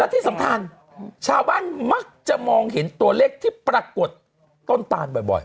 ที่สำคัญชาวบ้านมักจะมองเห็นตัวเลขที่ปรากฏต้นตานบ่อย